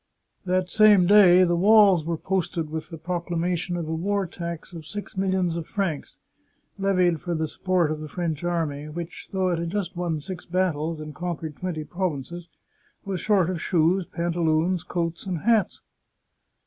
That same day the walls were posted with the proclama tion of a war tax of six millions of francs, levied for the support of the French army, which, though it had just won six battles and conquered twenty provinces, was short of shoes, pantaloons, coats, and hats.